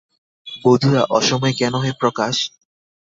বঁধুয়া অসময়ে কেন হে প্রকাশ?